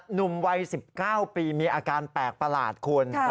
หนุ่มวัย๑๙ปีมีอาการแปลกประหลาดคุณ